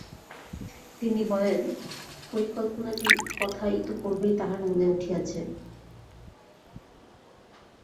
তিনি বলেন, পরিকল্পনাটির কথা ইতঃপূর্বেই তাঁহার মনে উঠিয়াছে।